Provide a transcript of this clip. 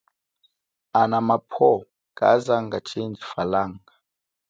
Ana mapwo kazanga chindji falanga.